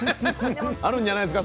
あるんじゃないですか？